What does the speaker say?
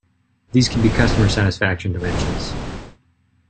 These can be customer satisfaction dimensions.